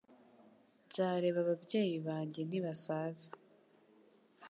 Nzareba ababyeyi banjye nibasaza